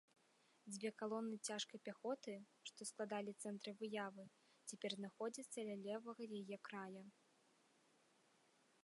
Дзве калоны цяжкай пяхоты, што складалі цэнтр выявы, цяпер знаходзяцца ля левага яе края.